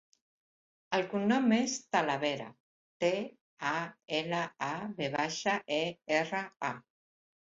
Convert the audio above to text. El cognom és Talavera: te, a, ela, a, ve baixa, e, erra, a.